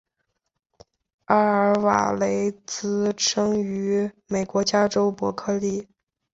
阿尔瓦雷茨生于美国加州伯克利。